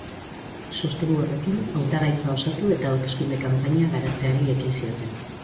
Sostengu horrekin, hautagaitza osatu eta hauteskunde kanpaina garatzeari ekin zioten.